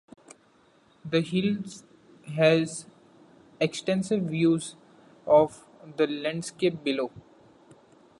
The hill has extensive views of the landscape below.